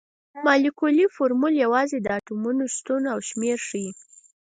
مالیکولي فورمول یوازې د اتومونو شتون او شمیر ښيي.